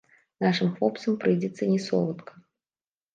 Нашым хлопцам прыйдзецца не соладка.